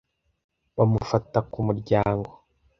Bamufata ku muryango